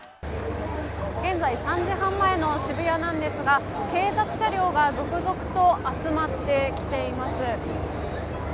現在、１５時半前の渋谷なんですが、警察車両が続々と集まってきています。